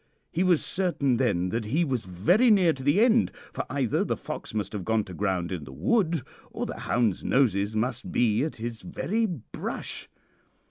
He was certain then that he was very near to the end, for either the fox must have gone to ground in the wood or the hounds' noses must be at his very brush.